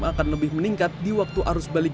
akan lebih meningkat di waktu arus balik